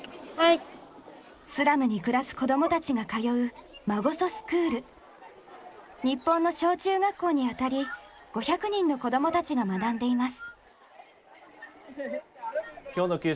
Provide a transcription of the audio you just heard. スラムに暮らす子供たちが通う日本の小中学校にあたり５００人の子供たちが学んでいます。